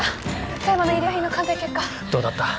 富山の遺留品の鑑定結果どうだった？